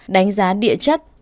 đánh giá địa chất